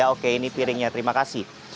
oke ini piringnya terima kasih